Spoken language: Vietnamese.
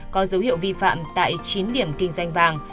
có dấu hiệu vi phạm tại chín điểm kinh doanh vàng